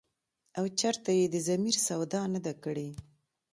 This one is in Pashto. او چرته ئې د ضمير سودا نه ده کړې ۔”